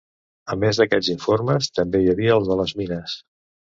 A més d'aquests informes, també hi havia el de les mines.